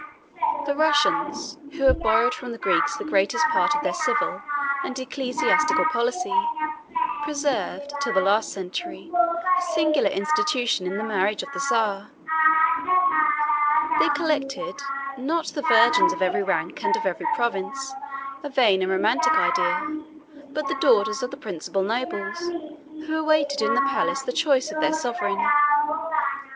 The Russians, who have borrowed from the Greeks the greatest part of their civil and ecclesiastical policy, preserved, till the last century, a singular institution in the marriage of the Czar. They collected, not the virgins of every rank and of every province, a vain and romantic idea, but the daughters of the principal nobles, who awaited in the palace the choice of their sovereign.